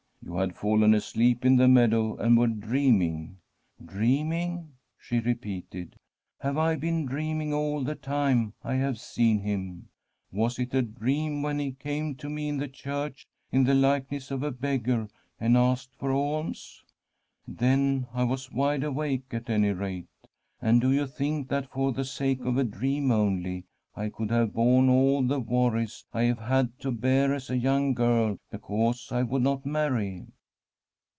You had fallen asleep in the meadow and were dreaming.' ' Dreaming ?' she repeated. 'Have I been dreaming all the time I have seen Him ? Was it a dream when He came to me in the church in the likeness of a beggar and asked for alms ? Then I was wide awake, at any rate. And do you think that for the sake of a dream only I could have borne all the worries I have had to bear as a young girl because I would not marry